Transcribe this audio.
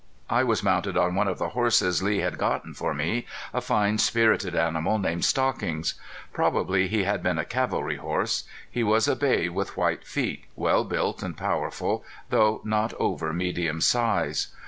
I was mounted on one of the horses Lee had gotten for me a fine, spirited animal named Stockings. Probably he had been a cavalry horse. He was a bay with white feet, well built and powerful, though not over medium size.